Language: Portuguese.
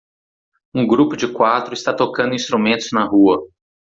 Um grupo de quatro está tocando instrumentos na rua